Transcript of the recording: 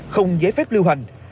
không giấy phép lưu hành